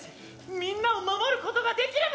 みんなを守ることができれば！